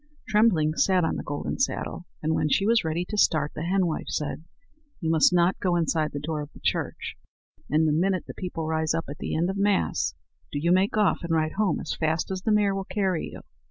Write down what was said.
Trembling sat on the golden saddle; and when she was ready to start, the henwife said: "You must not go inside the door of the church, and the minute the people rise up at the end of Mass, do you make off, and ride home as fast as the mare will carry you."